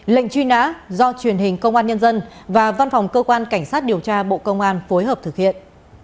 lệnh truy nã do truyền hình công an nhân dân và văn phòng cơ quan cảnh sát điều tra bộ công an phối hợp thực hiện